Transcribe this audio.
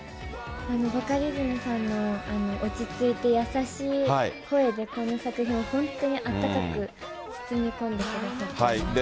バカリズムさんの落ち着いて優しい声でこの作品を本当にあったかく包み込んでくださっているので。